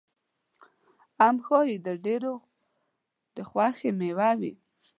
ام ښایي د ډېرو د خوښې مېوه وي.